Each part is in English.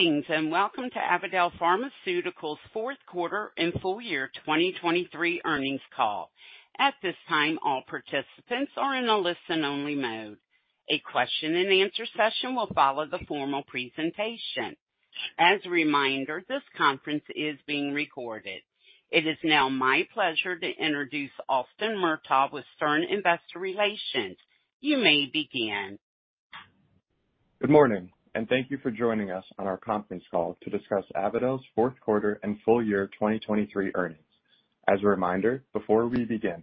Greetings, and welcome to Avadel Pharmaceuticals' Q4 and full year 2023 earnings call. At this time, all participants are in a listen-only mode. A question and answer session will follow the formal presentation. As a reminder, this conference is being recorded. It is now my pleasure to introduce Austin Murtaugh with Stern Investor Relations. You may begin. Good morning, and thank you for joining us on our conference call to discuss Avadel's Q4 and full year 2023 earnings. As a reminder, before we begin,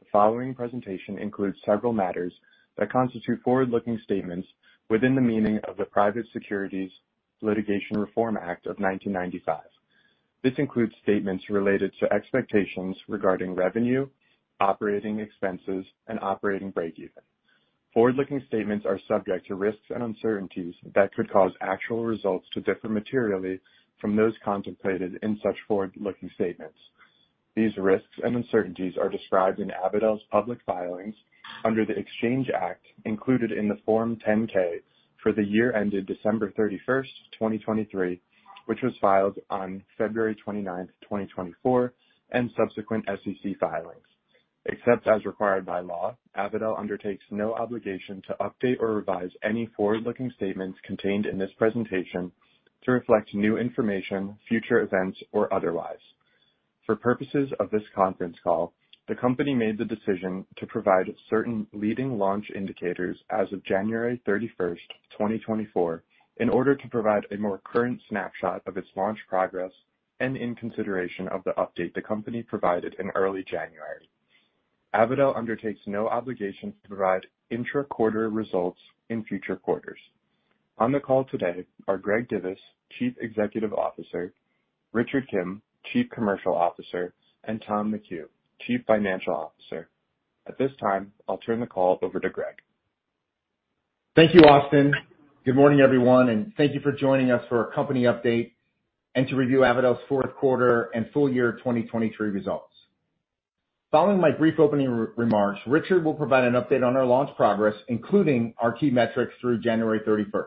the following presentation includes several matters that constitute forward-looking statements within the meaning of the Private Securities Litigation Reform Act of 1995. This includes statements related to expectations regarding revenue, operating expenses, and operating breakeven. Forward-looking statements are subject to risks and uncertainties that could cause actual results to differ materially from those contemplated in such forward-looking statements. These risks and uncertainties are described in Avadel's public filings under the Exchange Act, included in the Form 10-K for the year ended December 31, 2023, which was filed on February 29, 2024, and subsequent SEC filings. Except as required by law, Avadel undertakes no obligation to update or revise any forward-looking statements contained in this presentation to reflect new information, future events, or otherwise. For purposes of this conference call, the company made the decision to provide certain leading launch indicators as of January 31, 2024, in order to provide a more current snapshot of its launch progress and in consideration of the update the company provided in early January. Avadel undertakes no obligations to provide intra-quarter results in future quarters. On the call today are Greg Divis, Chief Executive Officer; Richard Kim, Chief Commercial Officer; and Tom McHugh, Chief Financial Officer. At this time, I'll turn the call over to Greg. Thank you, Austin. Good morning, everyone, and thank you for joining us for our company update and to review Avadel's Q4 and full year 2023 results. Following my brief opening remarks, Richard will provide an update on our launch progress, including our key metrics through January 31st.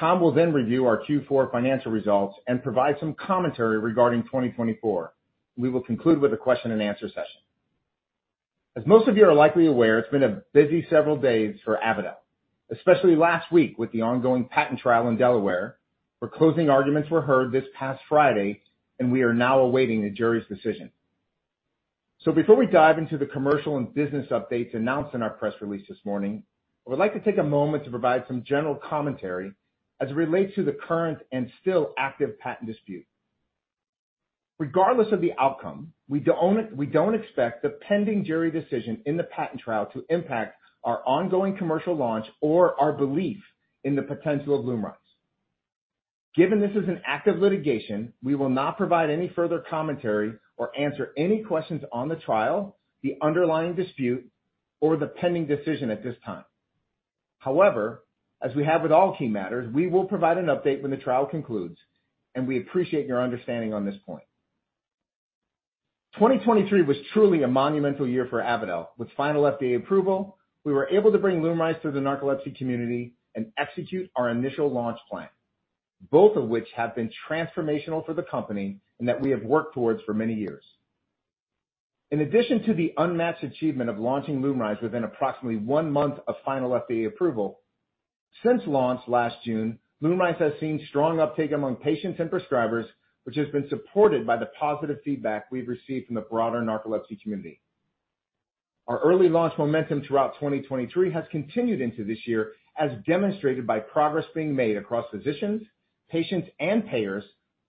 Tom will then review our Q4 financial results and provide some commentary regarding 2024. We will conclude with a question and answer session. As most of you are likely aware, it's been a busy several days for Avadel, especially last week with the ongoing patent trial in Delaware, where closing arguments were heard this past Friday, and we are now awaiting the jury's decision. So before we dive into the commercial and business updates announced in our press release this morning, I would like to take a moment to provide some general commentary as it relates to the current and still active patent dispute. Regardless of the outcome, we don't, we don't expect the pending jury decision in the patent trial to impact our ongoing commercial launch or our belief in the potential of LUMRYZ. Given this is an active litigation, we will not provide any further commentary or answer any questions on the trial, the underlying dispute, or the pending decision at this time. However, as we have with all key matters, we will provide an update when the trial concludes, and we appreciate your understanding on this point. 2023 was truly a monumental year for Avadel. With final FDA approval, we were able to bring LUMRYZ to the narcolepsy community and execute our initial launch plan, both of which have been transformational for the company and that we have worked towards for many years. In addition to the unmatched achievement of launching LUMRYZ within approximately one month of final FDA approval, since launch last June, LUMRYZ has seen strong uptake among patients and prescribers, which has been supported by the positive feedback we've received from the broader narcolepsy community. Our early launch momentum throughout 2023 has continued into this year, as demonstrated by progress being made across physicians, patients, and payers,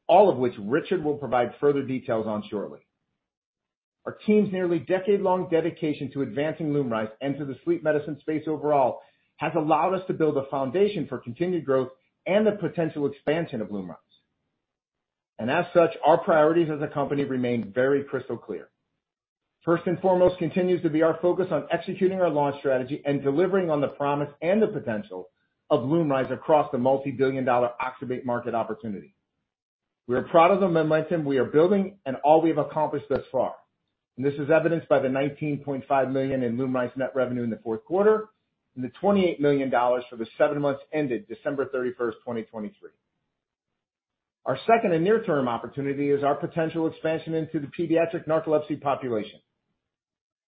all of which Richard will provide further details on shortly. Our team's nearly decade-long dedication to advancing LUMRYZ and to the sleep medicine space overall, has allowed us to build a foundation for continued growth and the potential expansion of LUMRYZ. And as such, our priorities as a company remain very crystal clear. First and foremost continues to be our focus on executing our launch strategy and delivering on the promise and the potential of LUMRYZ across the multi-billion-dollar oxybate market opportunity. We are proud of the momentum we are building and all we have accomplished thus far, and this is evidenced by the $19.5 million in LUMRYZ net revenue in the Q4 and the $28 million for the seven months ended December 31, 2023. Our second and near-term opportunity is our potential expansion into the pediatric narcolepsy population.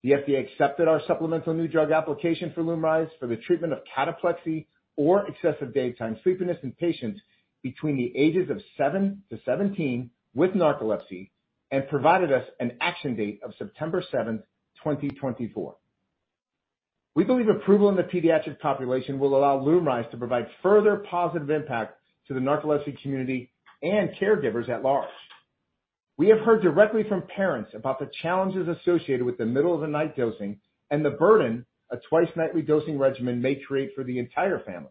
The FDA accepted our supplemental new drug application for LUMRYZ for the treatment of cataplexy or excessive daytime sleepiness in patients between the ages of 7 to 17 with narcolepsy, and provided us an action date of September 7, 2024. We believe approval in the pediatric population will allow LUMRYZ to provide further positive impact to the narcolepsy community and caregivers at large. We have heard directly from parents about the challenges associated with the middle-of-the-night dosing and the burden a twice-nightly dosing regimen may create for the entire family.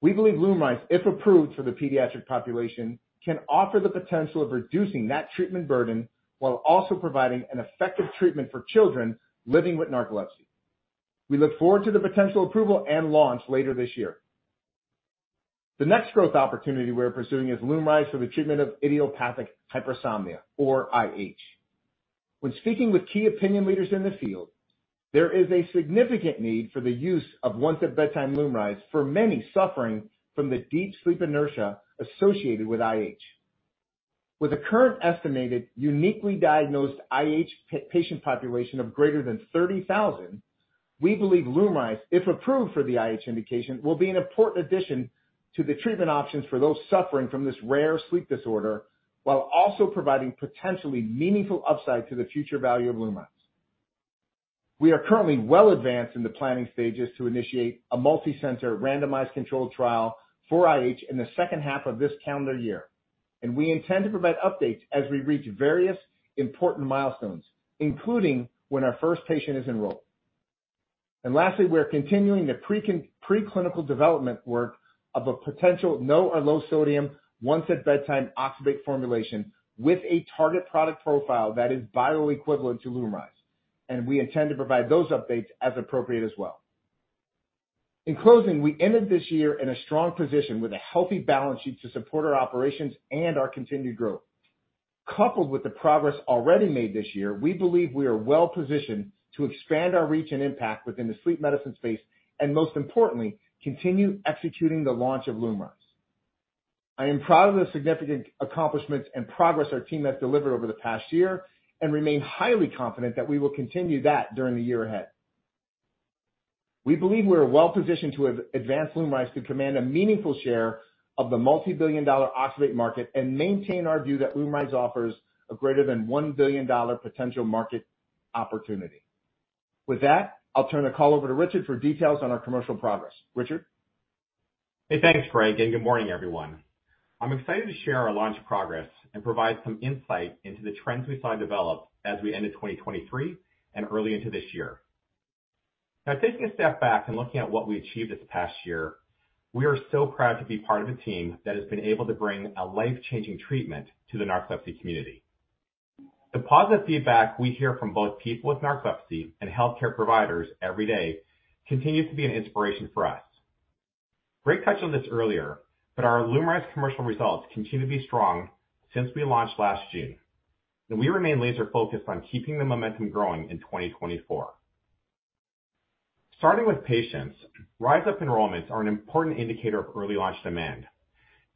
We believe LUMRYZ, if approved for the pediatric population, can offer the potential of reducing that treatment burden while also providing an effective treatment for children living with narcolepsy. We look forward to the potential approval and launch later this year. The next growth opportunity we're pursuing is LUMRYZ for the treatment of idiopathic hypersomnia, or IH. When speaking with key opinion leaders in the field, there is a significant need for the use of once-at-bedtime LUMRYZ for many suffering from the deep sleep inertia associated with IH. With a current estimated uniquely diagnosed IH patient population of greater than 30,000, we believe LUMRYZ, if approved for the IH indication, will be an important addition to the treatment options for those suffering from this rare sleep disorder, while also providing potentially meaningful upside to the future value of LUMRYZ. We are currently well advanced in the planning stages to initiate a multi-center randomized controlled trial for IH in the second half of this calendar year, and we intend to provide updates as we reach various important milestones, including when our first patient is enrolled. Lastly, we are continuing the preclinical development work of a potential no or low sodium, once at bedtime oxybate formulation with a target product profile that is bioequivalent to LUMRYZ, and we intend to provide those updates as appropriate as well. In closing, we ended this year in a strong position with a healthy balance sheet to support our operations and our continued growth. Coupled with the progress already made this year, we believe we are well positioned to expand our reach and impact within the sleep medicine space, and most importantly, continue executing the launch of LUMRYZ. I am proud of the significant accomplishments and progress our team has delivered over the past year and remain highly confident that we will continue that during the year ahead. We believe we are well positioned to advance LUMRYZ to command a meaningful share of the multi-billion-dollar oxybate market and maintain our view that LUMRYZ offers a greater than $1 billion potential market opportunity. With that, I'll turn the call over to Richard for details on our commercial progress. Richard? Hey, thanks, Greg, and good morning, everyone. I'm excited to share our launch progress and provide some insight into the trends we saw develop as we ended 2023 and early into this year. Now, taking a step back and looking at what we achieved this past year, we are so proud to be part of a team that has been able to bring a life-changing treatment to the narcolepsy community. The positive feedback we hear from both people with narcolepsy and healthcare providers every day continues to be an inspiration for us. Greg touched on this earlier, but our LUMRYZ commercial results continue to be strong since we launched last June, and we remain laser focused on keeping the momentum growing in 2024. Starting with patients, RYZUP enrollments are an important indicator of early launch demand,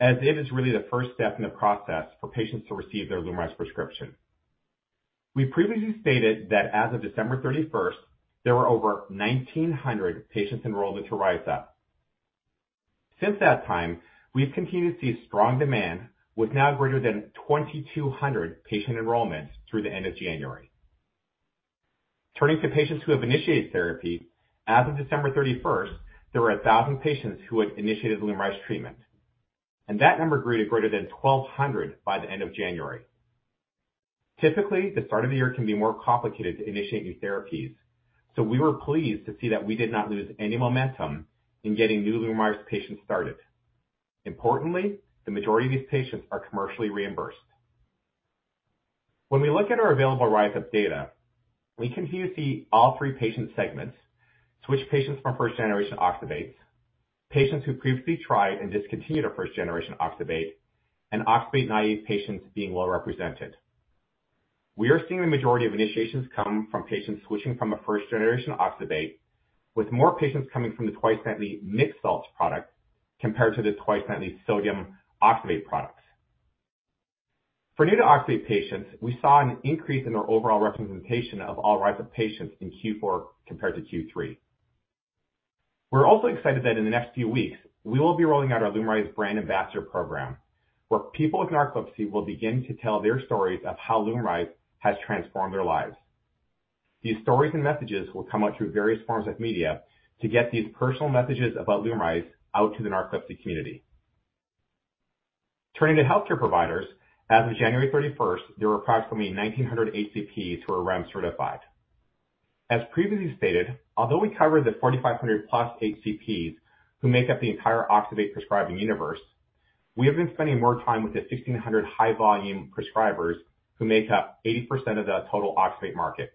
as it is really the first step in the process for patients to receive their LUMRYZ prescription. We previously stated that as of December 31, there were over 1,900 patients enrolled into RYZUP. Since that time, we've continued to see strong demand, with now greater than 2,200 patient enrollments through the end of January. Turning to patients who have initiated therapy, as of December 31, there were 1,000 patients who had initiated LUMRYZ treatment, and that number grew to greater than 1,200 by the end of January. Typically, the start of the year can be more complicated to initiate new therapies, so we were pleased to see that we did not lose any momentum in getting new LUMRYZ patients started. Importantly, the majority of these patients are commercially reimbursed. When we look at our available RyzUP data, we continue to see all three patient segments: switch patients from first generation oxybates, patients who previously tried and discontinued a first generation oxybate, and oxybate naive patients being well represented. We are seeing the majority of initiations come from patients switching from a first-generation oxybate, with more patients coming from the twice nightly mixed salts product compared to the twice nightly sodium oxybate products. For new to oxybate patients, we saw an increase in our overall representation of all RISE UP patients in Q4 compared to Q3. We're also excited that in the next few weeks, we will be rolling out our LUMRYZ brand ambassador program, where people with narcolepsy will begin to tell their stories of how LUMRYZ has transformed their lives. These stories and messages will come out through various forms of media to get these personal messages about LUMRYZ out to the narcolepsy community. Turning to healthcare providers, as of January thirty-first, there were approximately 1,900 HCPs who were REMS certified. As previously stated, although we covered the 4,500+ HCPs who make up the entire oxybate prescribing universe, we have been spending more time with the 1,600 high volume prescribers who make up 80% of the total oxybate market.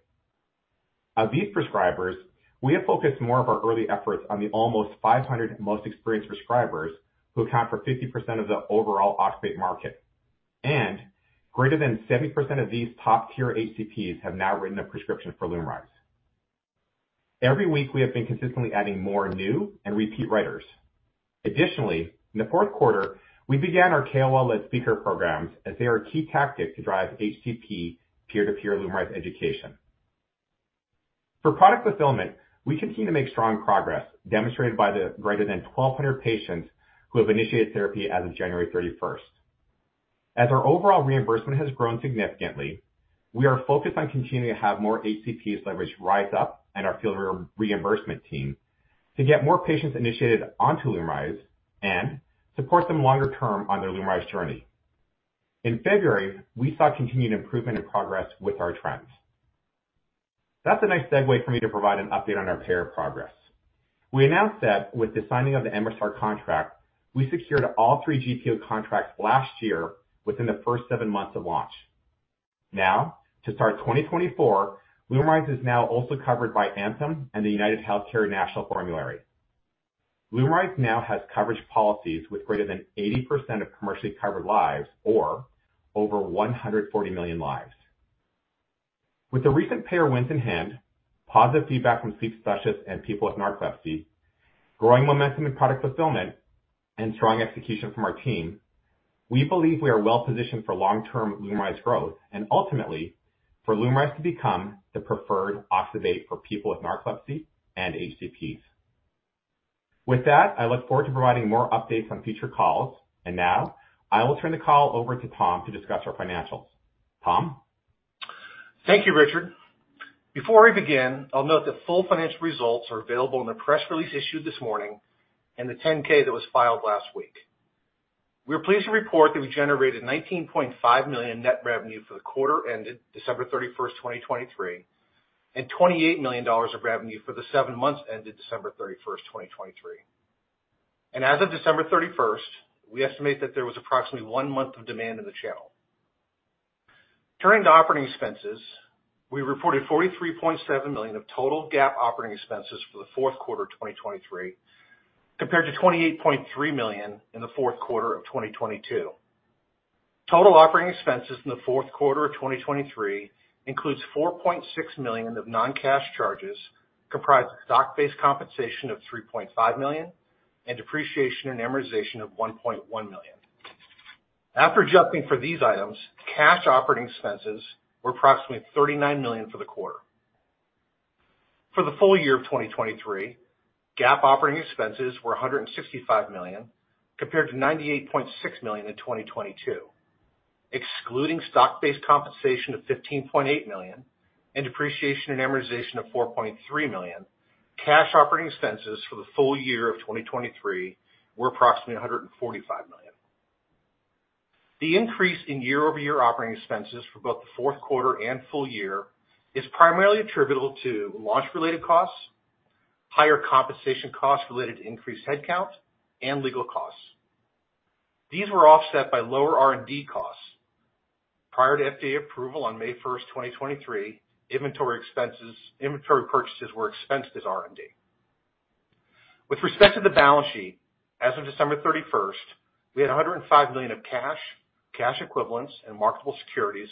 Of these prescribers, we have focused more of our early efforts on the almost 500 most experienced prescribers, who account for 50% of the overall oxybate market, and greater than 70% of these top-tier HCPs have now written a prescription for LUMRYZ. Every week, we have been consistently adding more new and repeat writers. Additionally, in the Q4, we began our KOL-led speaker programs, as they are a key tactic to drive HCP peer-to-peer LUMRYZ education. For product fulfillment, we continue to make strong progress, demonstrated by the greater than 1,200 patients who have initiated therapy as of January thirty-first. As our overall reimbursement has grown significantly, we are focused on continuing to have more HCPs leverage RISE UP and our field reimbursement team to get more patients initiated onto LUMRYZ and support them longer term on their LUMRYZ journey. In February, we saw continued improvement and progress with our trends. That's a nice segue for me to provide an update on our payer progress. We announced that with the signing of the Amneal contract, we secured all three GPO contracts last year within the first seven months of launch. Now, to start 2024, LUMRYZ is now also covered by Anthem and the UnitedHealthcare national formulary. LUMRYZ now has coverage policies with greater than 80% of commercially covered lives or over 140 million lives. With the recent payer wins in hand, positive feedback from sleep specialists and people with narcolepsy, growing momentum in product fulfillment, and strong execution from our team, we believe we are well positioned for long-term LUMRYZ growth and ultimately for LUMRYZ to become the preferred oxybate for people with narcolepsy and HCPs. With that, I look forward to providing more updates on future calls, and now I will turn the call over to Tom to discuss our financials. Tom? Thank you, Richard. Before we begin, I'll note that full financial results are available in the press release issued this morning and the 10-K that was filed last week. We are pleased to report that we generated $19.5 million net revenue for the quarter ended December 31, 2023, and $28 million of revenue for the seven months ended December 31, 2023. As of December 31, 2023, we estimate that there was approximately 1 month of demand in the channel. Turning to operating expenses, we reported $43.7 million of total GAAP operating expenses for the Q4 of 2023, compared to $28.3 million in the Q4 of 2022. Total operating expenses in the Q4 of 2023 include $4.6 million of non-cash charges, comprised of stock-based compensation of $3.5 million and depreciation and amortization of $1.1 million. After adjusting for these items, cash operating expenses were approximately $39 million for the quarter. For the full year of 2023, GAAP operating expenses were $165 million, compared to $98.6 million in 2022. Excluding stock-based compensation of $15.8 million and depreciation and amortization of $4.3 million, cash operating expenses for the full year of 2023 were approximately $145 million. The increase in year-over-year operating expenses for both the Q4 and full year is primarily attributable to launch-related costs, higher compensation costs related to increased headcount, and legal costs. These were offset by lower R&D costs. Prior to FDA approval on May 1, 2023, inventory expenses, inventory purchases were expensed as R&D. With respect to the balance sheet, as of December 31, we had $105 million of cash, cash equivalents, and marketable securities,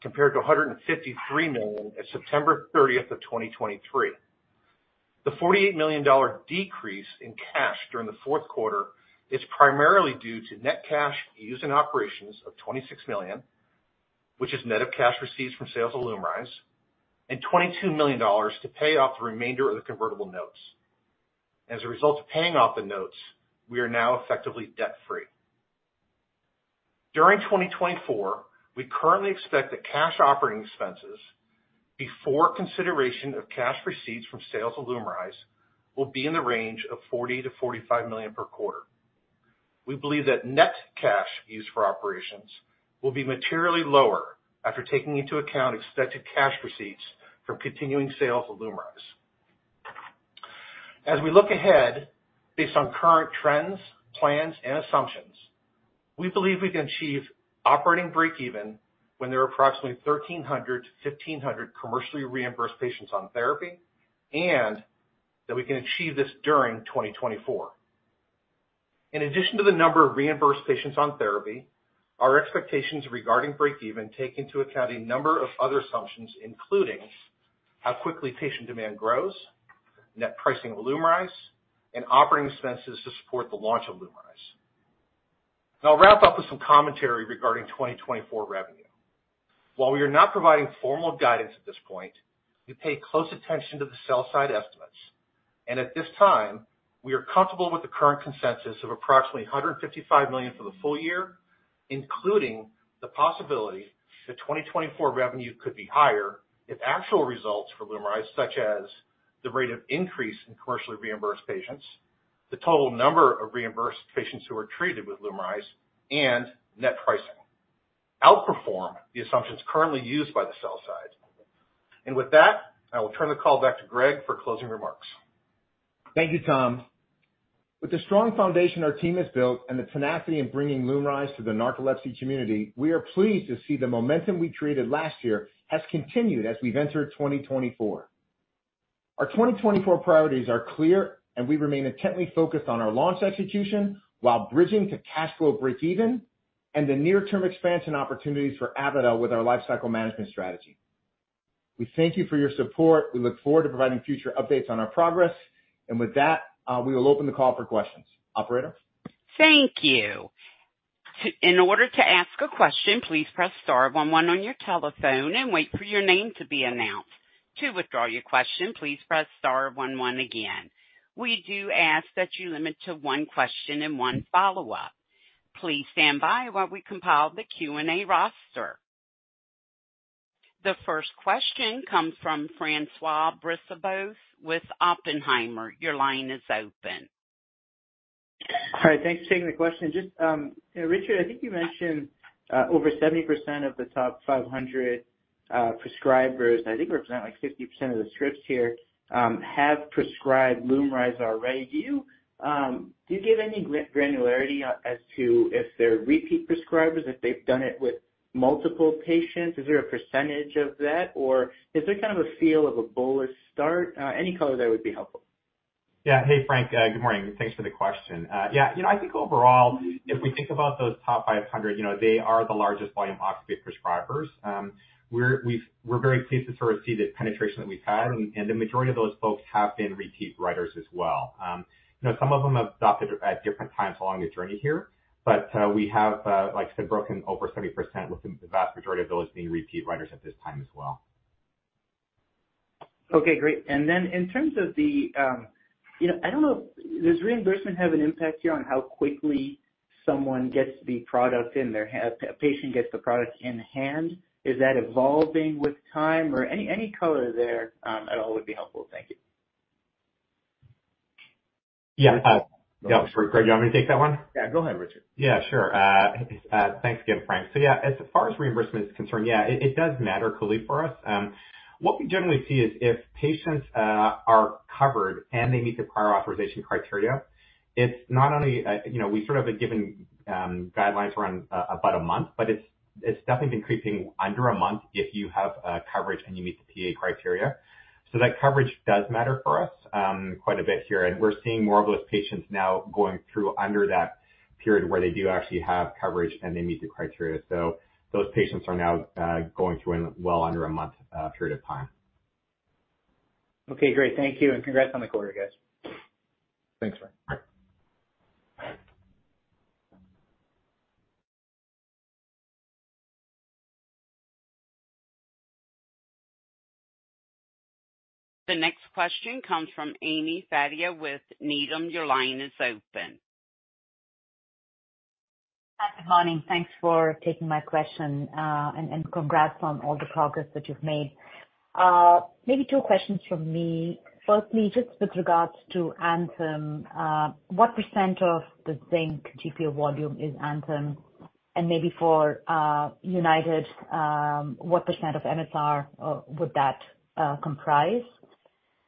compared to $153 million as of September 30, 2023. The $48 million decrease in cash during the Q4 is primarily due to net cash used in operations of $26 million, which is net of cash received from sales of LUMRYZ, and $22 million to pay off the remainder of the convertible notes. As a result of paying off the notes, we are now effectively debt-free. During 2024, we currently expect that cash operating expenses, before consideration of cash receipts from sales of LUMRYZ, will be in the range of $40 million-$45 million per quarter. We believe that net cash used for operations will be materially lower after taking into account expected cash receipts from continuing sales of LUMRYZ. As we look ahead, based on current trends, plans, and assumptions, we believe we can achieve operating breakeven when there are approximately 1,300-1,500 commercially reimbursed patients on therapy, and that we can achieve this during 2024. In addition to the number of reimbursed patients on therapy, our expectations regarding breakeven take into account a number of other assumptions, including how quickly patient demand grows, net pricing of LUMRYZ, and operating expenses to support the launch of LUMRYZ. I'll wrap up with some commentary regarding 2024 revenue. While we are not providing formal guidance at this point, we pay close attention to the sell side estimates, and at this time, we are comfortable with the current consensus of approximately $155 million for the full year, including the possibility that 2024 revenue could be higher if actual results for LUMRYZ, such as the rate of increase in commercially reimbursed patients, the total number of reimbursed patients who are treated with LUMRYZ, and net pricing, outperform the assumptions currently used by the sell side. With that, I will turn the call back to Greg for closing remarks. Thank you, Tom. With the strong foundation our team has built and the tenacity in bringing LUMRYZ to the narcolepsy community, we are pleased to see the momentum we created last year has continued as we've entered 2024. Our 2024 priorities are clear, and we remain intently focused on our launch execution while bridging to cash flow breakeven and the near-term expansion opportunities for Avadel with our lifecycle management strategy. We thank you for your support. We look forward to providing future updates on our progress. And with that, we will open the call for questions. Operator? Thank you. In order to ask a question, please press * one one on your telephone and wait for your name to be announced. To withdraw your question, please press * one one again. We do ask that you limit to one question and one follow-up. Please stand by while we compile the Q&A roster. The first question comes from Francois Brisebois with Oppenheimer. Your line is open. Hi, thanks for taking the question. Just, Richard, I think you mentioned over 70% of the top 500 prescribers, I think represent, like, 50% of the scripts here, have prescribed LUMRYZ already. Do you give any granularity as to if they're repeat prescribers, if they've done it with multiple patients? Is there a percentage of that, or is there kind of a feel of a bullish start? Any color there would be helpful. Yeah. Hey, Frank, good morning, and thanks for the question. Yeah, you know, I think overall, if we think about those top 500, you know, they are the largest volume oxybate prescribers. We're very pleased to sort of see the penetration that we've had, and the majority of those folks have been repeat writers as well. You know, some of them have adopted at different times along the journey here, but we have, like I said, broken over 70%, with the vast majority of those being repeat writers at this time as well. Okay, great. And then in terms of the, you know, I don't know, does reimbursement have an impact here on how quickly someone gets the product in their hand, a patient gets the product in hand? Is that evolving with time, or any, any color there, at all would be helpful. Thank you. Yeah. Yeah, Greg, do you want me to take that one? Yeah, go ahead, Richard. Yeah, sure. Thanks again, Frank. So yeah, as far as reimbursement is concerned, yeah, it does matter clearly for us. What we generally see is if patients are covered and they meet the prior authorization criteria, it's not only, you know, we sort of have given guidelines around about a month, but it's definitely been creeping under a month if you have coverage and you meet the PA criteria. So that coverage does matter for us quite a bit here, and we're seeing more of those patients now going through under that period where they do actually have coverage and they meet the criteria. So those patients are now going through in well under a month period of time. Okay, great. Thank you, and congrats on the quarter, guys. Thanks, Frank. The next question comes from Amy Fadia with Needham. Your line is open. Hi, good morning. Thanks for taking my question, and congrats on all the progress that you've made. Maybe two questions from me. Firstly, just with regards to Anthem, what % of the Zinc GPO volume is Anthem? And maybe for United, what % of MSR would that comprise?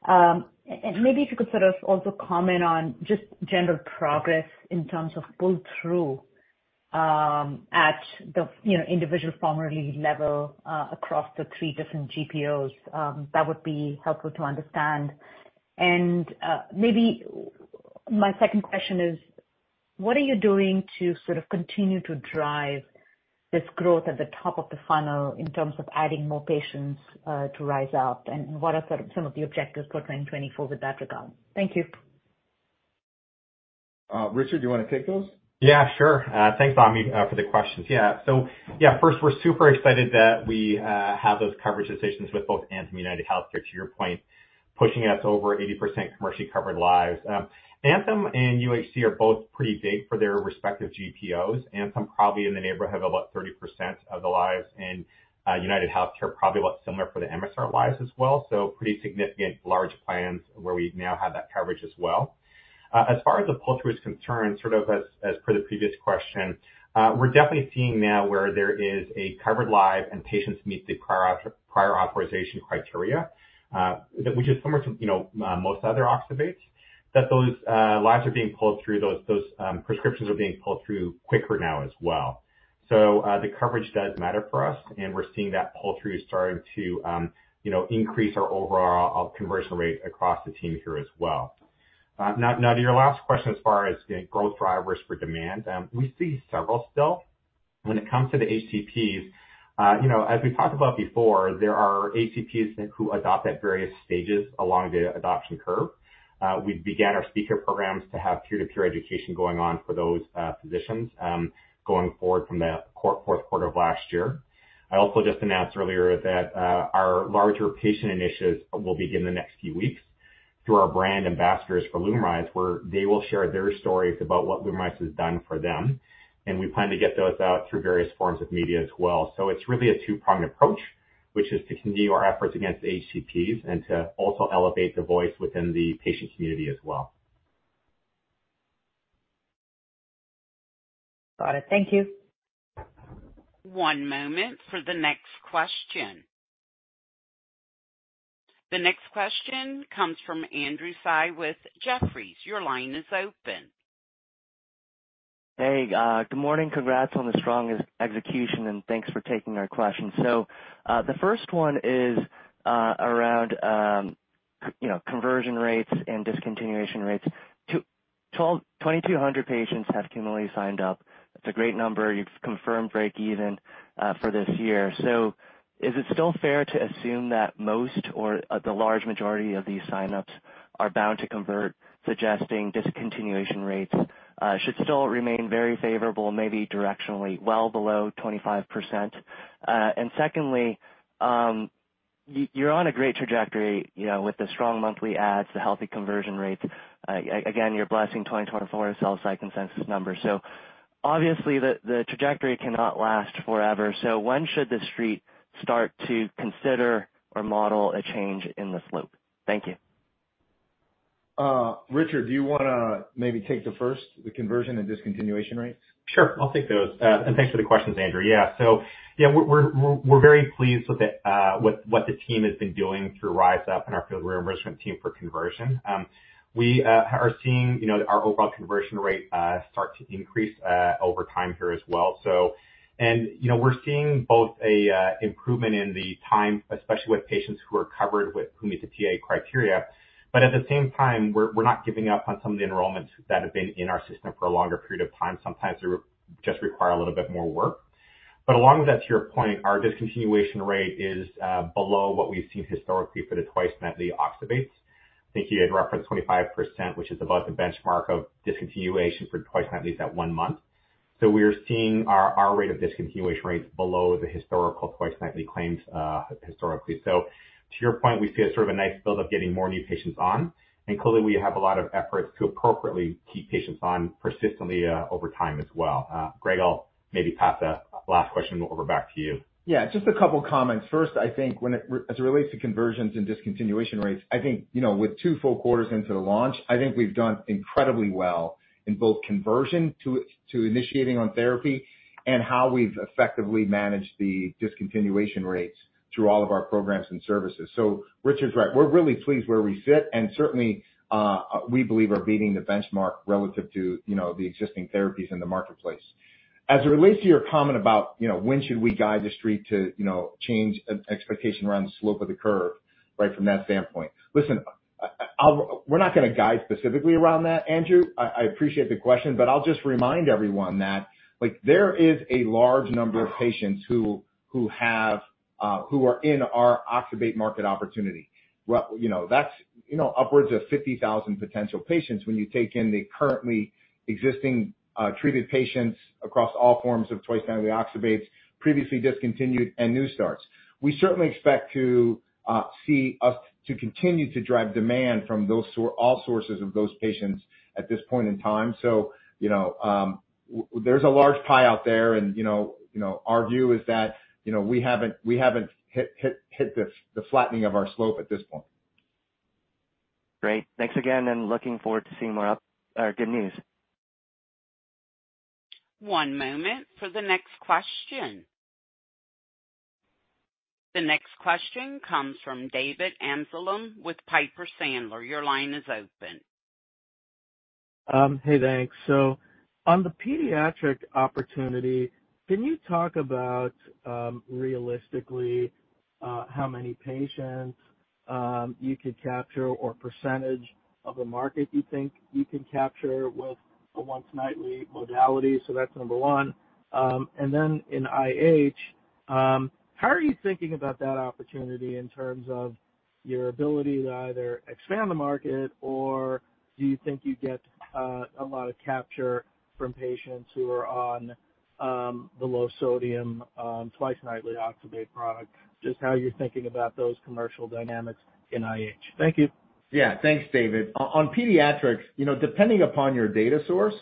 And maybe if you could sort of also comment on just general progress in terms of pull-through, at the, you know, individual formulary level, across the three different GPOs, that would be helpful to understand. And maybe my second question is, what are you doing to sort of continue to drive this growth at the top of the funnel in terms of adding more patients to Rise Up? And what are sort of some of the objectives for 2024 with that regard? Thank you. Richard, do you want to take those? Yeah, sure. Thanks, Amy, for the questions. Yeah, so yeah, first, we're super excited that we have those coverage decisions with both Anthem and UnitedHealthcare, to your point, pushing us over 80% commercially covered lives. Anthem and UHC are both pretty big for their respective GPOs. Anthem probably in the neighborhood of about 30% of the lives, and UnitedHealthcare probably about similar for the MSR lives as well. So pretty significant large plans where we now have that coverage as well. As far as the pull-through is concerned, sort of as per the previous question, we're definitely seeing now where there is a covered life and patients meet the prior authorization criteria, that which is similar to, you know, most other oxybates, that those lives are being pulled through, those prescriptions are being pulled through quicker now as well. So, the coverage does matter for us, and we're seeing that pull-through starting to, you know, increase our overall conversion rate across the team here as well. Now to your last question, as far as the growth drivers for demand, we see several still. When it comes to the HCPs, you know, as we've talked about before, there are HCPs who adopt at various stages along the adoption curve. We've began our speaker programs to have peer-to-peer education going on for those physicians going forward from the Q4 of last year. I also just announced earlier that our larger patient initiatives will begin the next few weeks through our brand ambassadors for LUMRYZ, where they will share their stories about what LUMRYZ has done for them, and we plan to get those out through various forms of media as well. So it's really a two-pronged approach, which is to continue our efforts against HCPs and to also elevate the voice within the patient community as well. Got it. Thank you. One moment for the next question. The next question comes from Andrew Tsai with Jefferies. Your line is open. Hey, good morning. Congrats on the strong execution, and thanks for taking our questions. So, the first one is around, you know, conversion rates and discontinuation rates. 2,200 patients have cumulatively signed up. It's a great number. You've confirmed break even for this year. So is it still fair to assume that most or the large majority of these signups are bound to convert, suggesting discontinuation rates should still remain very favorable, maybe directionally well below 25%? And secondly, you're on a great trajectory, you know, with the strong monthly adds, the healthy conversion rates. Again, you're blessing 2024 to sell consensus numbers. So obviously, the trajectory cannot last forever. So when should the street start to consider or model a change in the slope? Thank you. ... Richard, do you wanna maybe take the first, the conversion and discontinuation rate? Sure, I'll take those. And thanks for the questions, Andrew. Yeah, so, yeah, we're, we're, we're very pleased with the with what the team has been doing through RISE UP and our field reimbursement team for conversion. We are seeing, you know, our overall conversion rate start to increase over time here as well. So and, you know, we're seeing both a improvement in the time, especially with patients who are covered with who meet the PA criteria, but at the same time, we're, we're not giving up on some of the enrollments that have been in our system for a longer period of time. Sometimes they just require a little bit more work. But along with that, to your point, our discontinuation rate is below what we've seen historically for the twice nightly oxybates. I think you had referenced 25%, which is above the benchmark of discontinuation for twice nightly at one month. So we're seeing our, our rate of discontinuation rates below the historical twice nightly claims, historically. So to your point, we see a sort of a nice build up getting more new patients on, and clearly, we have a lot of efforts to appropriately keep patients on persistently, over time as well. Greg, I'll maybe pass that last question over back to you. Yeah, just a couple comments. First, I think as it relates to conversions and discontinuation rates, I think, you know, with 2 full quarters into the launch, I think we've done incredibly well in both conversion to initiating on therapy and how we've effectively managed the discontinuation rates through all of our programs and services. So Richard's right. We're really pleased where we sit, and certainly we believe are beating the benchmark relative to, you know, the existing therapies in the marketplace. As it relates to your comment about, you know, when should we guide the street to, you know, change expectation around the slope of the curve, right from that standpoint. Listen, we're not gonna guide specifically around that, Andrew. I appreciate the question, but I'll just remind everyone that, like, there is a large number of patients who are in our oxybate market opportunity. Well, you know, that's, you know, upwards of 50,000 potential patients when you take in the currently existing treated patients across all forms of twice nightly oxybates, previously discontinued and new starts. We certainly expect to see us to continue to drive demand from all sources of those patients at this point in time. So, you know, there's a large pie out there and, you know, you know, our view is that, you know, we haven't hit the flattening of our slope at this point. Great. Thanks again, and looking forward to seeing more up, or good news. One moment for the next question. The next question comes from David Amsellem with Piper Sandler. Your line is open. Hey, thanks. So on the pediatric opportunity, can you talk about, realistically, how many patients you could capture or percentage of the market you think you can capture with a once nightly modality? So that's number one. And then in IH, how are you thinking about that opportunity in terms of your ability to either expand the market, or do you think you get a lot of capture from patients who are on the low sodium twice nightly oxybate product? Just how you're thinking about those commercial dynamics in IH. Thank you. Yeah. Thanks, David. On pediatrics, you know, depending upon your data source,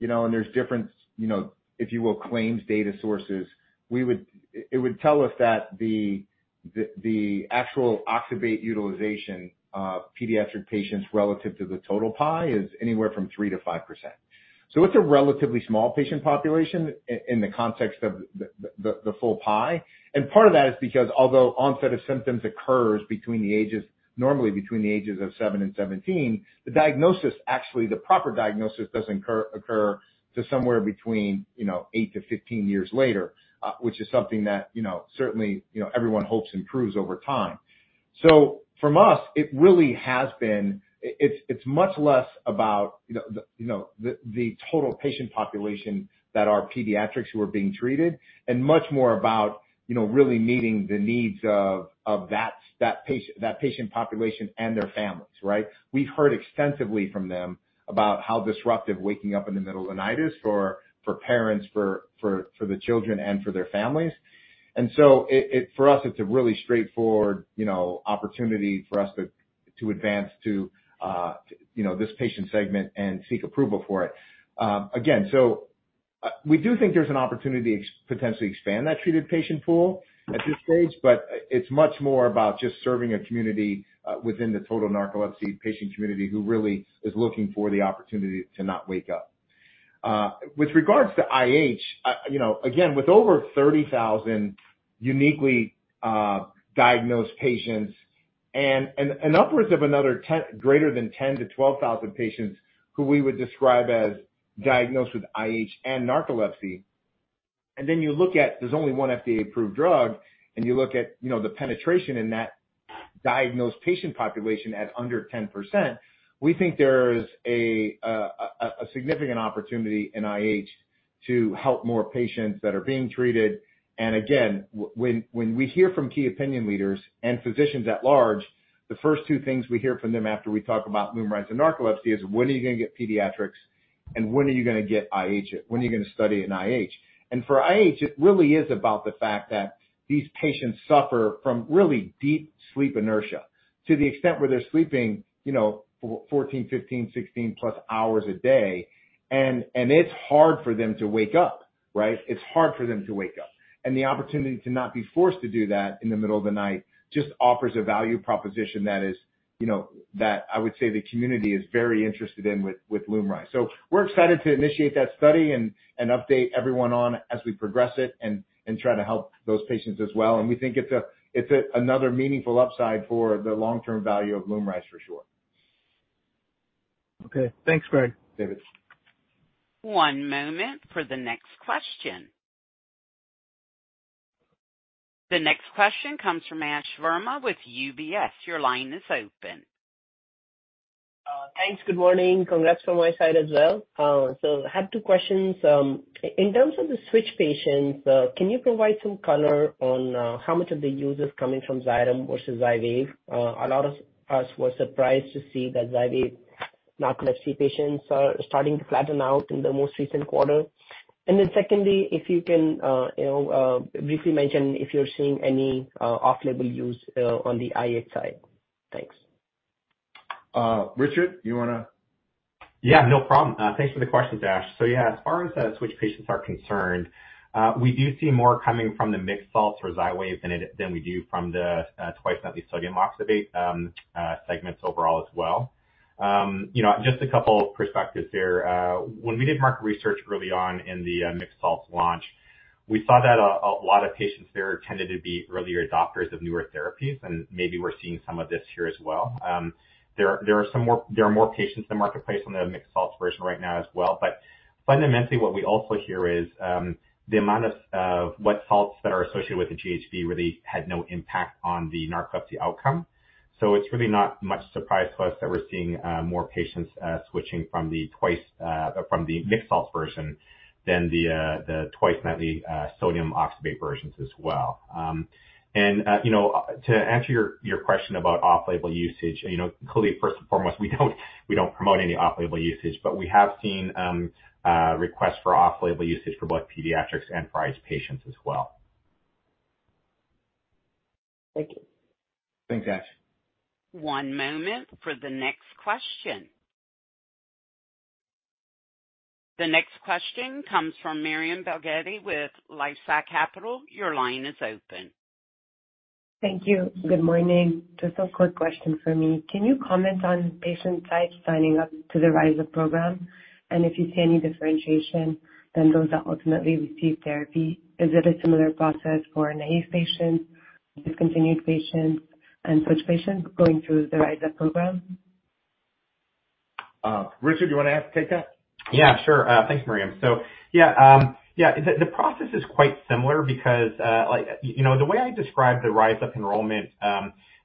you know, and there's different, you know, if you will, claims data sources, we would... It would tell us that the, the, the actual oxybate utilization of pediatric patients relative to the total pie is anywhere from 3%-5%. So it's a relatively small patient population in the context of the, the, the full pie. And part of that is because although onset of symptoms occurs between the ages, normally between the ages of 7 and 17, the diagnosis, actually, the proper diagnosis, doesn't occur to somewhere between, you know, 8 to 15 years later, which is something that, you know, certainly, you know, everyone hopes improves over time. So for us, it really has been... It's much less about, you know, the total patient population that are pediatrics who are being treated, and much more about, you know, really meeting the needs of that patient population and their families, right? We've heard extensively from them about how disruptive waking up in the middle of the night is for the parents, for the children, and for their families. And so, for us, it's a really straightforward, you know, opportunity for us to advance to this patient segment and seek approval for it. Again, so, we do think there's an opportunity to potentially expand that treated patient pool at this stage, but it's much more about just serving a community within the total narcolepsy patient community who really is looking for the opportunity to not wake up. With regards to IH, you know, again, with over 30,000 uniquely diagnosed patients and upwards of another 10-12,000 patients who we would describe as diagnosed with IH and narcolepsy, and then you look at, there's only one FDA approved drug, and you look at, you know, the penetration in that diagnosed patient population at under 10%, we think there's a significant opportunity in IH to help more patients that are being treated. And again, when, when we hear from key opinion leaders and physicians at large, the first two things we hear from them after we talk about LUMRYZ and narcolepsy is: When are you gonna get pediatrics? And when are you gonna get IH? When are you gonna study in IH? And for IH, it really is about the fact that these patients suffer from really deep sleep inertia, to the extent where they're sleeping, you know, 14, 15, 16+ hours a day. And, and it's hard for them to wake up, right? It's hard for them to wake up... and the opportunity to not be forced to do that in the middle of the night just offers a value proposition that is, you know, that I would say the community is very interested in with, with LUMRYZ. So we're excited to initiate that study and update everyone on as we progress it and try to help those patients as well. And we think it's another meaningful upside for the long-term value of LUMRYZ, for sure. Okay. Thanks, Greg. David. One moment for the next question. The next question comes from Ash Verma with UBS. Your line is open. Thanks. Good morning. Congrats from my side as well. So I had two questions. In terms of the switch patients, can you provide some color on how much of the use is coming from Xyrem versus Xywav? A lot of us were surprised to see that Xywav narcolepsy patients are starting to flatten out in the most recent quarter. And then secondly, if you can, you know, briefly mention if you're seeing any off-label use on the IH side. Thanks. Richard, you wanna? Yeah, no problem. Thanks for the question, Ash. So yeah, as far as switch patients are concerned, we do see more coming from the mixed salts for Xywav than we do from the twice-nightly sodium oxybate segments overall as well. You know, just a couple perspectives here. When we did market research early on in the mixed salts launch, we saw that a lot of patients there tended to be earlier adopters of newer therapies, and maybe we're seeing some of this here as well. There are more patients in the marketplace on the mixed salts version right now as well. But fundamentally, what we also hear is the amount of what salts that are associated with the GHB really had no impact on the narcolepsy outcome. So it's really not much surprise to us that we're seeing more patients switching from the twice-nightly mixed salts version than the twice-nightly sodium oxybate versions as well. You know, to answer your question about off-label usage, you know, clearly, first and foremost, we don't, we don't promote any off-label usage, but we have seen requests for off-label usage for both pediatric and IH patients as well. Thank you. Thanks, Ash. One moment for the next question. The next question comes from Myriam Belghiti with LifeSci Capital. Your line is open. Thank you. Good morning. Just a quick question for me. Can you comment on patient sites signing up to the RISE UP program, and if you see any differentiation than those that ultimately receive therapy? Is it a similar process for naive patients, discontinued patients, and switch patients going through the RISE UP program? Richard, do you want to take that? Yeah, sure. Thank you, Miriam. So yeah, yeah, the process is quite similar because, like, you know, the way I describe the RISE UP enrollment,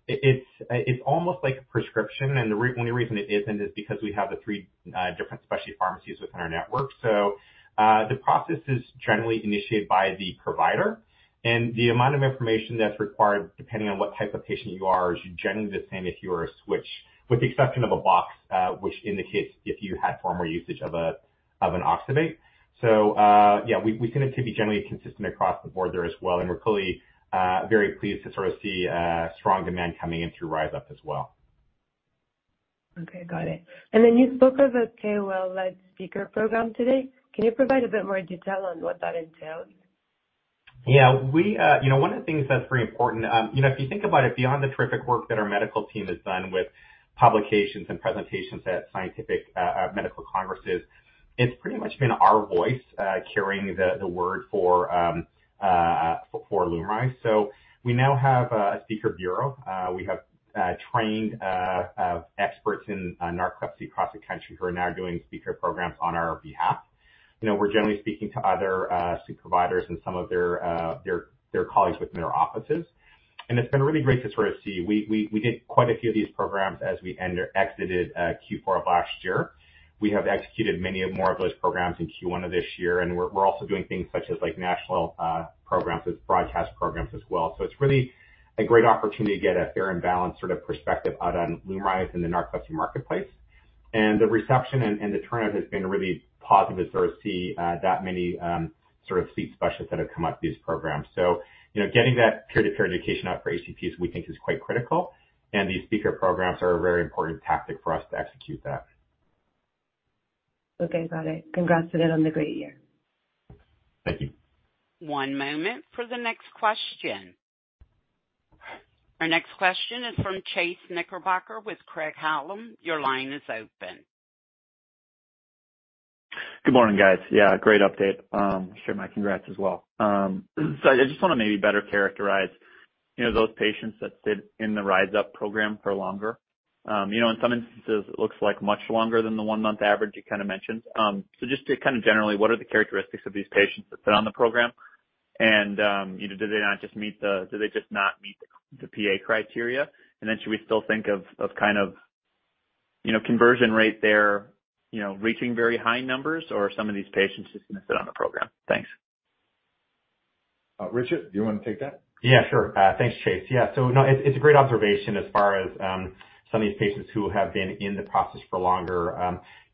it's almost like a prescription, and the only reason it isn't is because we have the three different specialty pharmacies within our network. So, the process is generally initiated by the provider, and the amount of information that's required, depending on what type of patient you are, is generally the same if you are a switch, with the exception of a box, which indicates if you had former usage of an oxybate. So, yeah, we see it to be generally consistent across the board there as well, and we're clearly very pleased to sort of see strong demand coming in through RISE UP as well. Okay, got it. And then you spoke of a KOL-led speaker program today. Can you provide a bit more detail on what that entails? Yeah, we, you know, one of the things that's very important, you know, if you think about it, beyond the terrific work that our medical team has done with publications and presentations at scientific, medical congresses, it's pretty much been our voice, carrying the word for LUMRYZ. So we now have a speaker bureau. We have trained experts in narcolepsy across the country who are now doing speaker programs on our behalf. You know, we're generally speaking to other sleep providers and some of their colleagues within their offices, and it's been really great to sort of see. We did quite a few of these programs as we exited Q4 of last year. We have executed many of more of those programs in Q1 of this year, and we're, we're also doing things such as, like, national programs as broadcast programs as well. So it's really a great opportunity to get a fair and balanced sort of perspective out on LUMRYZ in the narcolepsy marketplace. And the reception and, and the turnout has been really positive to sort of see that many sort of sleep specialists that have come up to these programs. So, you know, getting that peer-to-peer education out for HCPs, we think is quite critical, and these speaker programs are a very important tactic for us to execute that. Okay, got it. Congrats to them on the great year. Thank you. One moment for the next question. Our next question is from Chase Knickerbocker with Craig-Hallum. Your line is open. Good morning, guys. Yeah, great update. Share my congrats as well. So I just want to maybe better characterize, you know, those patients that sit in the RISE UP program for longer. You know, in some instances it looks like much longer than the one-month average you kind of mentioned. So just to kind of generally, what are the characteristics of these patients that sit on the program? And, you know, do they just not meet the PA criteria? And then should we still think of, of kind of, you know, conversion rate there, you know, reaching very high numbers or are some of these patients just going to sit on the program? Thanks. Richard, do you want to take that? Yeah, sure. Thanks, Chase. Yeah, so no, it's, it's a great observation as far as some of these patients who have been in the process for longer.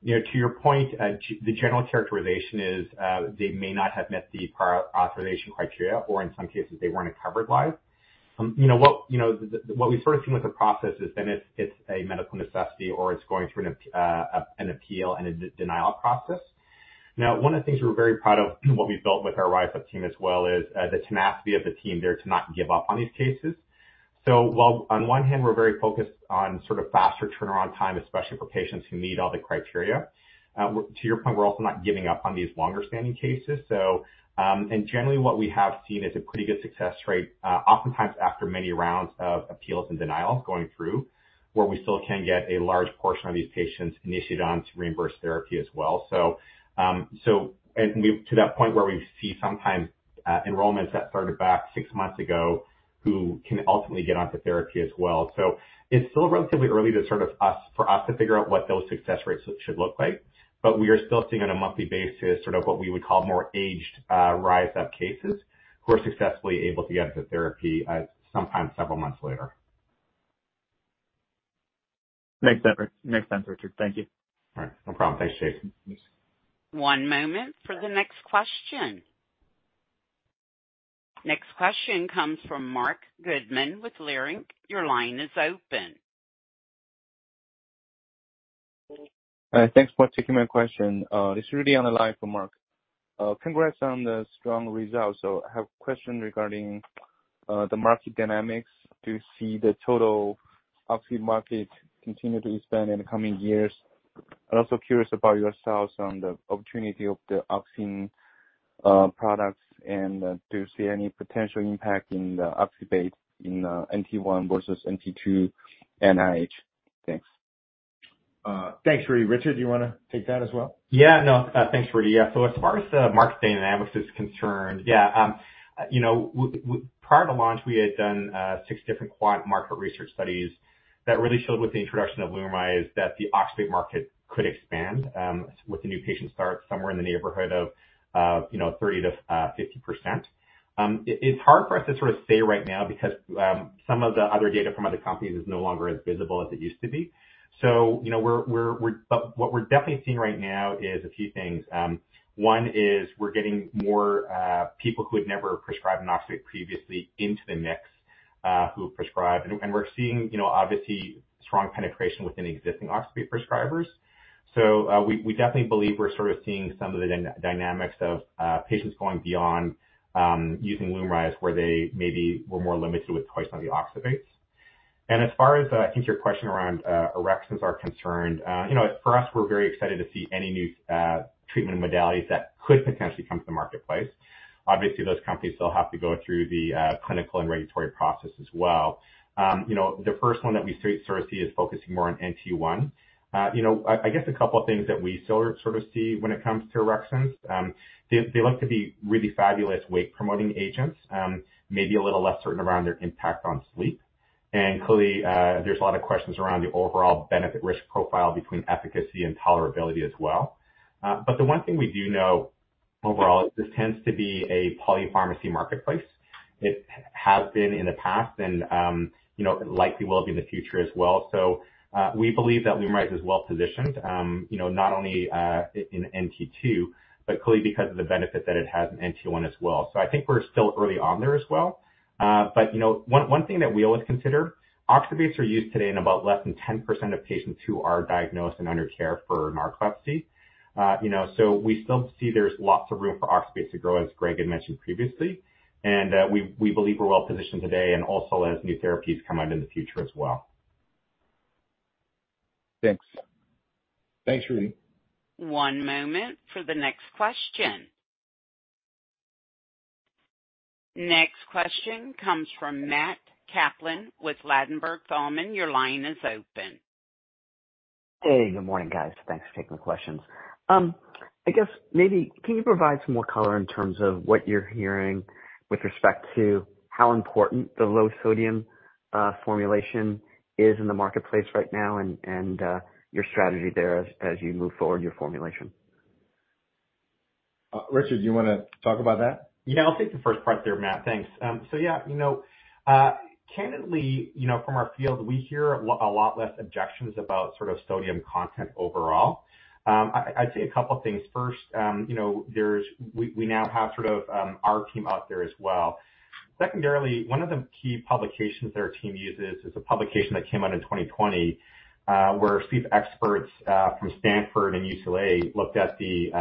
You know, to your point, the general characterization is they may not have met the prior authorization criteria, or in some cases, they weren't a covered life. You know what, you know, what we sort of seen with the process is then it's, it's a medical necessity or it's going through an appeal and a denial process. Now, one of the things we're very proud of, what we've built with our RISE UP team as well, is the tenacity of the team there to not give up on these cases. So while on one hand, we're very focused on sort of faster turnaround time, especially for patients who meet all the criteria, to your point, we're also not giving up on these longer-standing cases. So, and generally what we have seen is a pretty good success rate, oftentimes after many rounds of appeals and denials going through, where we still can get a large portion of these patients initiated onto reimbursed therapy as well. So, and we've to that point where we see sometimes, enrollments that started back six months ago, who can ultimately get onto therapy as well. So it's still relatively early for us to figure out what those success rates should look like, but we are still seeing on a monthly basis, sort of what we would call more aged RISE UP cases, who are successfully able to get into therapy, sometimes several months later. Makes sense. Makes sense, Richard. Thank you. All right. No problem. Thanks, Jason. One moment for the next question. Next question comes from Mark Goodman with Leerink. Your line is open. Thanks for taking my question. This is Rudy on the line for Mark. Congrats on the strong results. So I have a question regarding the market dynamics. Do you see the total oxybate market continue to expand in the coming years? I'm also curious about yourselves on the opportunity of the oxybate products, and do you see any potential impact in the oxybate in NT1 versus NT2 IH? Thanks. Thanks, Rudy. Richard, do you wanna take that as well? Yeah, no. Thanks, Rudy. Yeah, so as far as the market dynamics is concerned, yeah, you know, prior to launch, we had done six different quant market research studies that really showed with the introduction of LUMRYZ, that the oxybate market could expand, with the new patient start somewhere in the neighborhood of, you know, 30%-50%. It's hard for us to sort of say right now because some of the other data from other companies is no longer as visible as it used to be. So, you know, we're... But what we're definitely seeing right now is a few things. One is we're getting more people who had never prescribed an oxybate previously into the mix, who have prescribed. We're seeing, you know, obviously strong penetration within the existing oxybate prescribers. So, we definitely believe we're sort of seeing some of the dynamics of patients going beyond using LUMRYZ, where they maybe were more limited with twice-nightly oxybates. And as far as, I think your question around orexin are concerned, you know, for us, we're very excited to see any new treatment modalities that could potentially come to the marketplace. Obviously, those companies still have to go through the clinical and regulatory process as well. You know, the first one that we sort of see is focusing more on NT1. You know, I guess a couple of things that we sort of see when it comes to orexins, they look to be really fabulous wake-promoting agents, maybe a little less certain around their impact on sleep. And clearly, there's a lot of questions around the overall benefit-risk profile between efficacy and tolerability as well. But the one thing we do know overall is this tends to be a polypharmacy marketplace. It has been in the past and, you know, likely will be in the future as well. So, we believe that LUMRYZ is well positioned, you know, not only in NT2, but clearly because of the benefit that it has in NT1 as well. So I think we're still early on there as well. But, you know, one thing that we always consider, oxybates are used today in about less than 10% of patients who are diagnosed and under care for narcolepsy. You know, so we still see there's lots of room for oxybates to grow, as Greg had mentioned previously. And we believe we're well positioned today and also as new therapies come out in the future as well. Thanks. Thanks, Rudy. One moment for the next question. Next question comes from Matt Kaplan with Ladenburg Thalmann. Your line is open. Hey, good morning, guys. Thanks for taking the questions. I guess maybe can you provide some more color in terms of what you're hearing with respect to how important the low sodium formulation is in the marketplace right now and your strategy there as you move forward your formulation? Richard, do you want to talk about that? Yeah, I'll take the first part there, Matt. Thanks. So yeah, you know, candidly, you know, from our field, we hear a lot, a lot less objections about sort of sodium content overall. I'd say a couple of things. First, you know, there's. We now have sort of our team out there as well. Secondarily, one of the key publications that our team uses is a publication that came out in 2020, where sleep experts from Stanford and UCLA looked at the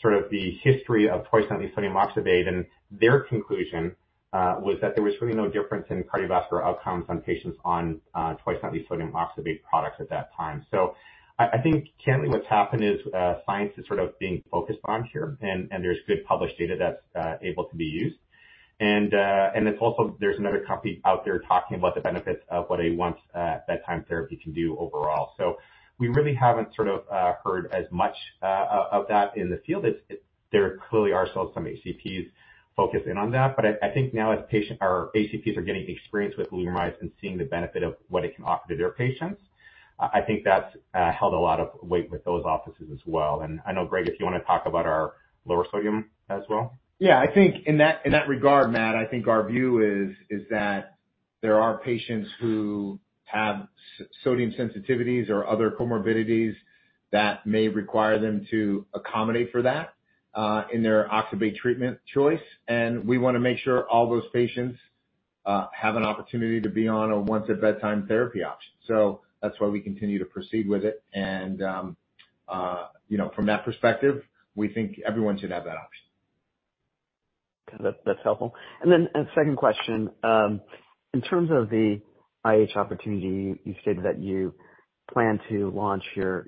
sort of the history of twice-nightly sodium oxybate, and their conclusion was that there was really no difference in cardiovascular outcomes on patients on twice-nightly sodium oxybate products at that time. So I think candidly, what's happened is, science is sort of being focused on here, and there's good published data that's able to be used. And it's also there's another company out there talking about the benefits of what a once bedtime therapy can do overall. So we really haven't sort of heard as much of that in the field. There clearly are still some HCPs focusing on that, but I think now as patients or HCPs are getting experience with LUMRYZ and seeing the benefit of what it can offer to their patients, I think that's held a lot of weight with those offices as well. And I know, Greg, if you want to talk about our lower sodium as well? Yeah, I think in that, in that regard, Matt, I think our view is, is that there are patients who have sodium sensitivities or other comorbidities that may require them to accommodate for that in their oxybate treatment choice, and we want to make sure all those patients have an opportunity to be on a once-at-bedtime therapy option. So that's why we continue to proceed with it. And, you know, from that perspective, we think everyone should have that option. Okay, that's helpful. And then a second question. In terms of the IH opportunity, you stated that you plan to launch your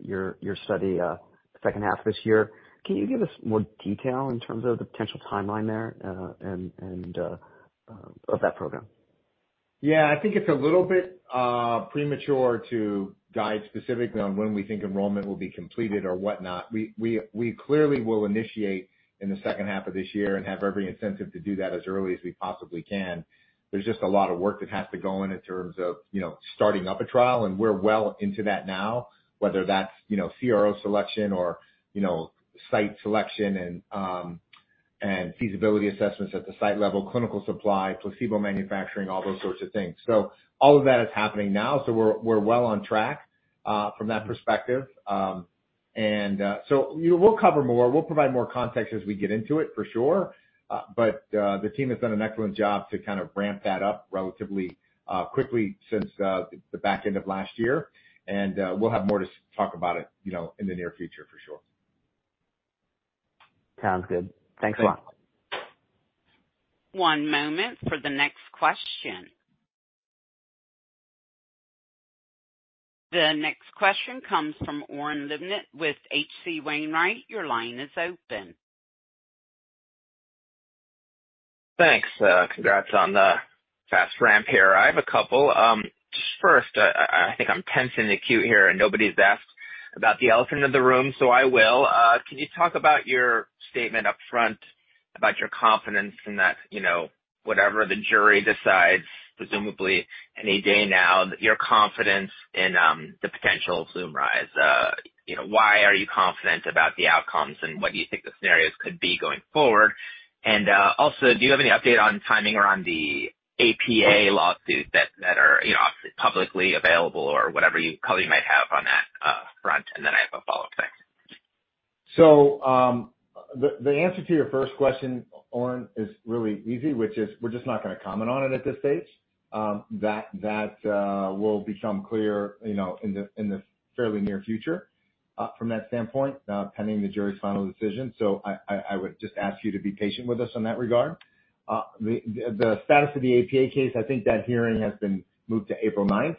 study second half of this year. Can you give us more detail in terms of the potential timeline there and of that program? Yeah, I think it's a little bit premature to guide specifically on when we think enrollment will be completed or whatnot. We clearly will initiate in the second half of this year and have every incentive to do that as early as we possibly can. There's just a lot of work that has to go in in terms of, you know, starting up a trial, and we're well into that now. Whether that's, you know, CRO selection or, you know, site selection and feasibility assessments at the site level, clinical supply, placebo manufacturing, all those sorts of things. So all of that is happening now, so we're well on track from that perspective. And so we'll cover more, we'll provide more context as we get into it, for sure. But, the team has done an excellent job to kind of ramp that up relatively quickly since the back end of last year. And, we'll have more to talk about it, you know, in the near future, for sure. Sounds good. Thanks a lot. One moment for the next question. The next question comes from Oren Livnat with H.C. Wainwright. Your line is open. Thanks. Congrats on the fast ramp here. I have a couple. First, I think I'm tense and acute here, and nobody's asked about the elephant in the room, so I will. Can you talk about your statement up front, about your confidence in that, you know, whatever the jury decides, presumably any day now, that your confidence in the potential of LUMRYZ? You know, why are you confident about the outcomes, and what do you think the scenarios could be going forward? And also, do you have any update on timing around the APA lawsuit that are, you know, publicly available or whatever color you might have on that front? And then I have a follow-up. Thanks. So, the answer to your first question, Oren, is really easy, which is we're just not going to comment on it at this stage. That will become clear, you know, in the fairly near future, from that standpoint, pending the jury's final decision. So I would just ask you to be patient with us in that regard. The status of the APA case, I think that hearing has been moved to April ninth.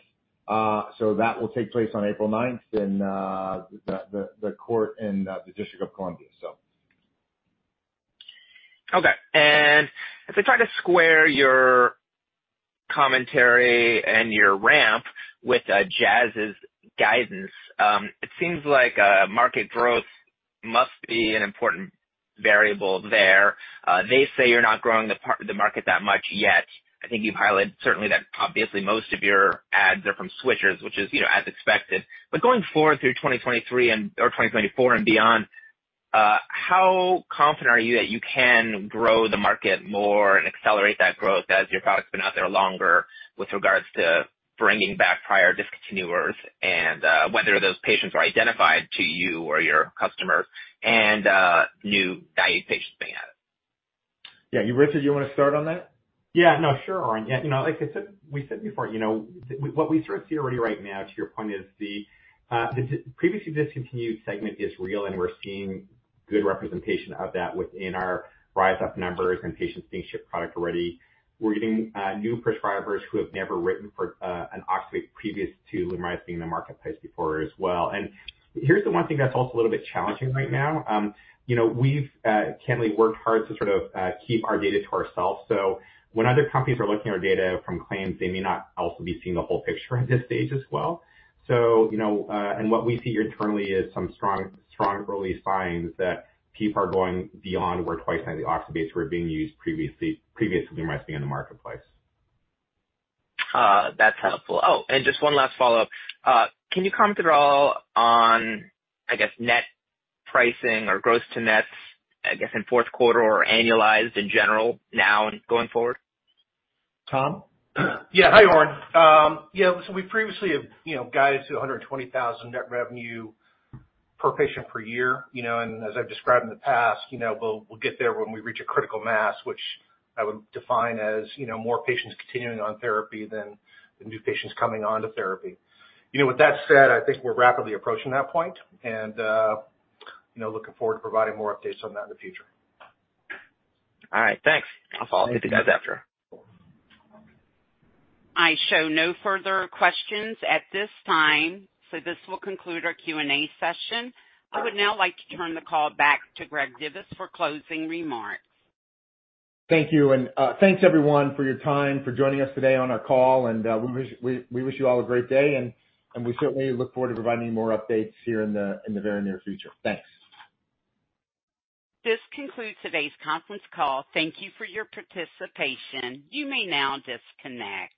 So that will take place on April ninth in the court in the District of Columbia, so. Okay. And as I try to square your commentary and your ramp with Jazz's guidance, it seems like market growth must be an important variable there. They say you're not growing the market that much yet. I think you've highlighted certainly that obviously most of your ads are from switchers, which is, you know, as expected. But going forward through 2023 and or 2024 and beyond, how confident are you that you can grow the market more and accelerate that growth as your product's been out there longer with regards to bringing back prior discontinuers and whether those patients are identified to you or your customers and new diagnosed patients being added? Yeah. Richard, do you want to start on that? Yeah. No, sure, Oren. Yeah, you know, like I said, we said before, you know, what we sort of see already right now, to your point, is the previously discontinued segment is real, and we're seeing good representation of that within our RISE UP numbers and patients being shipped product already. We're getting new prescribers who have never written for an oxybate previous to LUMRYZ being in the marketplace before as well. And here's the one thing that's also a little bit challenging right now. You know, we've candidly worked hard to sort of keep our data to ourselves. So when other companies are looking at our data from claims, they may not also be seeing the whole picture at this stage as well. So, you know, and what we see internally is some strong, strong early signs that people are going beyond where twice-daily oxybates were being used previously, previous to LUMRYZ being in the marketplace. That's helpful. Oh, and just one last follow-up. Can you comment at all on, I guess, net pricing or gross to nets, I guess, in Q4 or annualized in general now and going forward? Tom? Yeah. Hi, Oren. Yeah, so we previously have, you know, guided to $120,000 net revenue per patient per year, you know, and as I've described in the past, you know, we'll, we'll get there when we reach a critical mass, which I would define as, you know, more patients continuing on therapy than the new patients coming onto therapy. You know, with that said, I think we're rapidly approaching that point and, you know, looking forward to providing more updates on that in the future. All right, thanks. I'll follow up with you guys after. I show no further questions at this time, so this will conclude our Q&A session. I would now like to turn the call back to Greg Divis for closing remarks. Thank you. And, thanks, everyone, for your time, for joining us today on our call, and, we wish you all a great day, and we certainly look forward to providing you more updates here in the very near future. Thanks. This concludes today's conference call. Thank you for your participation. You may now disconnect.